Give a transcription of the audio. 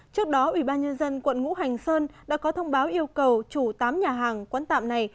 trước đó ubnd quận ngũ hành sơn đã có thông báo yêu cầu chủ tám nhà hàng quán tạm này